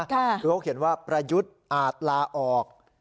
คือเขาเขียนว่าประยุทธ์อาจลาออก